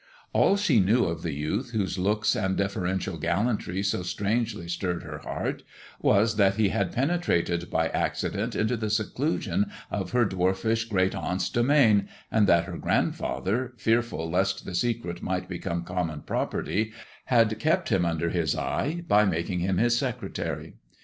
All she knew of the youth whose looks and deferential gallantry so strangely stirred her heart, was that he had penetrated by accident into the seclusion of her dwarfish great aunt's domain, and that her grandfather, fearful lest • the secret might become common property, had kept him under his eye by making him his secretary.